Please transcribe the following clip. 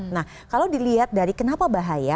nah kalau dilihat dari kenapa bahaya